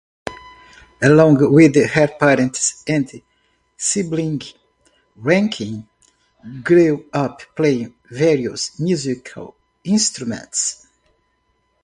Along with her parents and siblings, Rankin grew up playing various musical instruments.